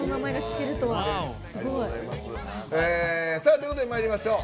ということでまいりましょう。